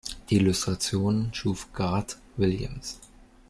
Die Illustrationen schuf Garth Williams.